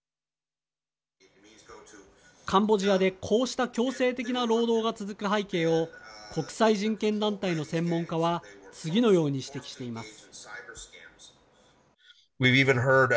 カンボジアで、こうした強制的な労働が続く背景を国際人権団体の専門家は次のように指摘しています。